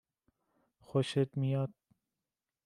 خوشت میاد؟